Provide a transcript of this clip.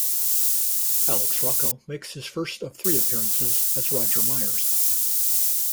Alex Rocco makes his first of three appearances as Roger Meyers.